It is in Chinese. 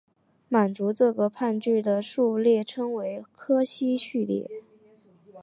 满足这个判据的数列称为柯西序列。